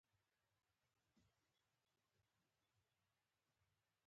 هغه لارښوونې دي چې اسلامي ټولنه اداره کېږي.